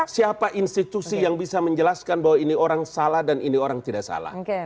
siapa institusi yang bisa menjelaskan bahwa ini orang salah dan ini orang tidak salah